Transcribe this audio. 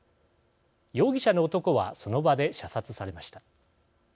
容疑者の男はその場で射殺されました。